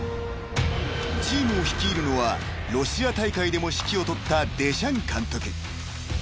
［チームを率いるのはロシア大会でも指揮を執った］